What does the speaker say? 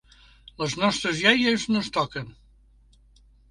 "Les nostres iaies no es toquen!"